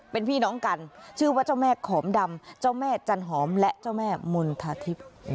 เป็นพี่น้องกันชื่อว่าเจ้าแม่ขอมดำเจ้าแม่จันหอมและเจ้าแม่มณฑาทิพย์